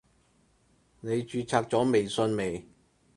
你註冊咗微信未？